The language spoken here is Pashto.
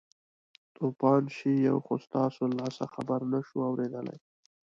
توپان شئ یو خو ستاسو له لاسه خبره نه شوو اورېدلی.